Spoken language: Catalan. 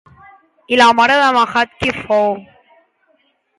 I la mare de Mahalat qui fou?